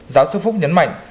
giáo sư phúc nhấn mạnh